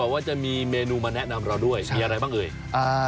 บอกว่าจะมีเมนูมาแนะนำเราด้วยใช่มีอะไรบ้างอื่นอ่า